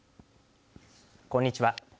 こんにちは。